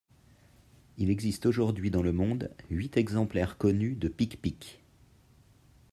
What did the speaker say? Il existe aujourd'hui dans le monde huit exemplaires connus de Pic-Pic.